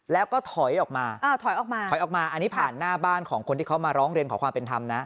แล้วก็ถอยออกมาอ่าถอยออกมาถอยออกมาอันนี้ผ่านหน้าบ้านของคนที่เขามาร้องเรียนขอความเป็นธรรมนะ